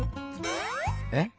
えっ？